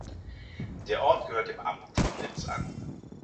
Der Ort gehört dem Amt Temnitz an.